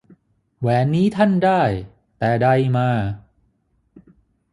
แหวนนี้ท่านได้ แต่ใดมา